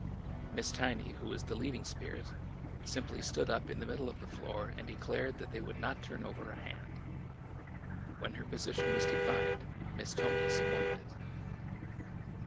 Miss Tiny, who was the leading spirit, simply stood up in the middle of the floor and declared that they would not turn over a hand. When her position was defined. Miss Tony supported it.